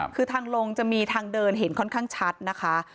คือทางลงจะมีทางเดินเห็นค่อนข้างชัดนะคะ